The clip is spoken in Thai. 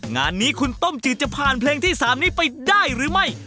งานนี้คุณต้มจืดจะผ่านเพลงที่๓นี้ไปได้หรือไม่